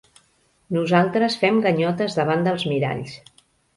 Nosaltres fem ganyotes davant dels miralls.